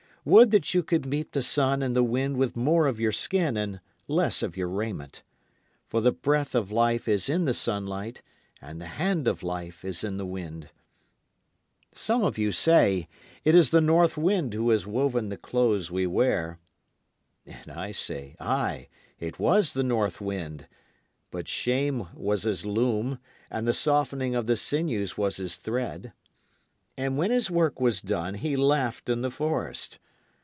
Would that you could meet the sun and the wind with more of your skin and less of your raiment, For the breath of life is in the sunlight and the hand of life is in the wind. Some of you say, "It is the north wind who has woven the clothes we wear." And I say, Ay, it was the north wind, But shame was his loom, and the softening of the sinews was his thread. And when his work was done he laughed in the forest.